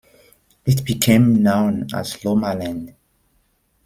It became known as "Lomaland".